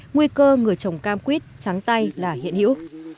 nguy cơ người trồng cam quýt trắng tay là hiện hữu